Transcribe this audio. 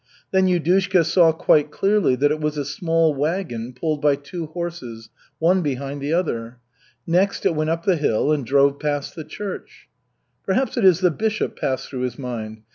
Then Yudushka saw quite clearly that it was a small wagon pulled by two horses, one behind the other. Next it went up the hill, and drove past the church. "Perhaps it is the bishop," passed through his mind.